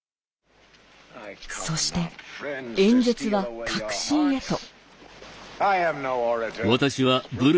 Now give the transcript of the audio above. そして演説は核心へと。